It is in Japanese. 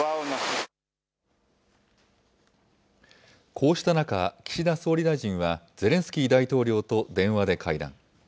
こうした中、岸田総理大臣はゼレンスキー大統領と電話で会談。